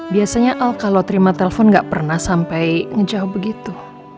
biasanya al kalau terima telepon gak pernah sampai ngejauh begitu